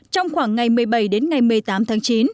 trong khoảng ngày một mươi bảy đến ngày một mươi tám tháng chín